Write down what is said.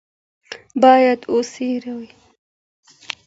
باید وڅېړو